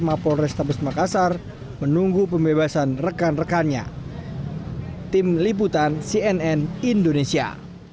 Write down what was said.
mapol restabes makassar menunggu pembebasan rekan rekannya tim liputan cnn indonesia